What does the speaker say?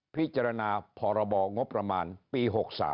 พิจารณาพรบงบประมาณปี๖๓